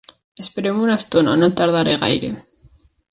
Espereu-me una estona: no tardaré gaire.